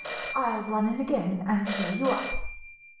I '11 run in again and cheer you up.